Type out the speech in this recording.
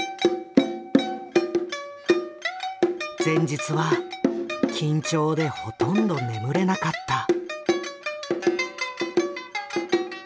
前日は緊張でほとんど眠れなかった。